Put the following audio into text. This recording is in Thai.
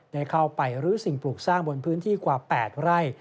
ได้เข้าไปรื้อสิ่งปลูกสร้างบนพื้นที่กว่า๘ไร่